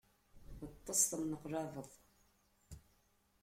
Ṭṭes, tenneqlabeḍ.